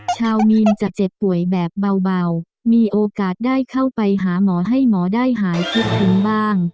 ชาวมีนจะเจ็บป่วยแบบเบามีโอกาสได้เข้าไปหาหมอให้หมอได้หายคิดถึงบ้าง